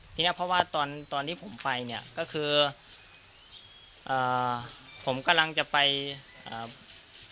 ทีเนี้ยเพราะว่าตอนตอนที่ผมไปเนี้ยก็คือเอ่อผมกำลังจะไปอ่า